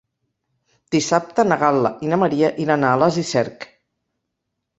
Dissabte na Gal·la i na Maria iran a Alàs i Cerc.